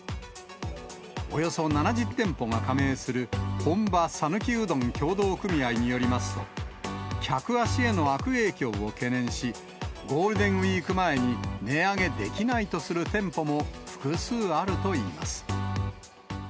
およそ７０店舗が加盟する本場さぬきうどん協同組合によりますと、客足への悪影響を懸念し、ゴールデンウィーク前に値上げできないとする店舗も、複数あるといいます。